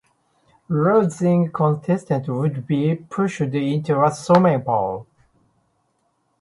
Losing contestants would be pushed into a swimming pool.